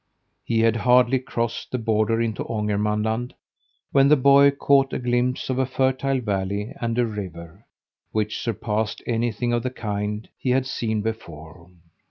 He had hardly crossed the border into Ångermanland when the boy caught a glimpse of a fertile valley and a river, which surpassed anything of the kind he had seen before.